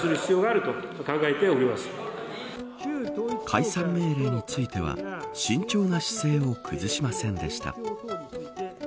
解散命令については慎重な姿勢を崩しませんでした。